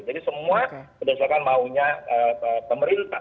jadi semua berdasarkan maunya pemerintah